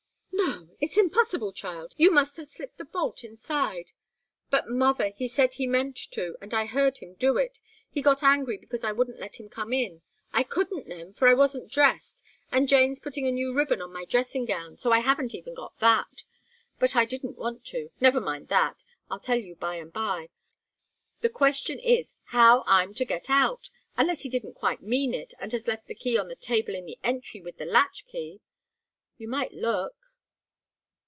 "No it's impossible, child! You must have slipped the bolt inside." "But, mother, he said he meant to, and I heard him do it. He got angry because I wouldn't let him in. I couldn't then, for I wasn't dressed, and Jane's putting a new ribbon on my dressing gown, so I haven't even got that. But I didn't want to. Never mind that I'll tell you by and by. The question is how I'm to get out! Unless he didn't quite mean it, and has left the key on the table in the entry, with the latch key. You might look."